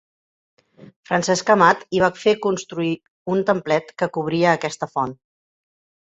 Francesc Amat hi va fer construir un templet que cobria aquesta font.